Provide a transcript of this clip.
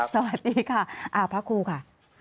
สวัสดีค่ะพระครูค่ะ